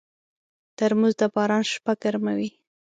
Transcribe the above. ترموز د باران شپه ګرموي.